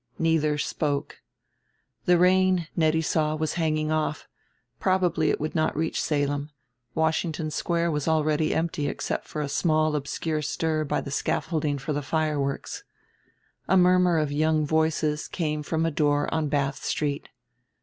Neither spoke. The rain, Nettie saw, was hanging off; probably it would not reach Salem, Washington Square was already empty except for a small obscure stir by the scaffolding for the fireworks. A murmur of young voices came from a door on Bath Street.